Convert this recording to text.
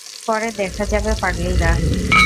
পরে দেখা যাবে, পাগলীরা।